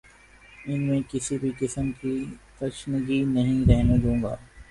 ان میں کسی بھی قسم کی تشنگی نہیں رہنے دوں گا